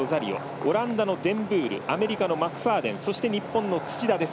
オランダのデンブールアメリカのマクファーデン日本の土田です。